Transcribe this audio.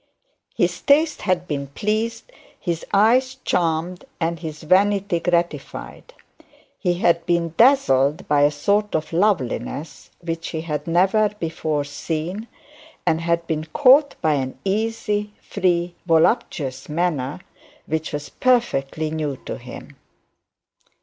His taste had been pleased, his eyes charmed, and his vanity gratified. He had been dazzled by a sort of loveliness which he had never before seen, and had been caught by an easy, free, voluptuous manner which was perfectly new to him.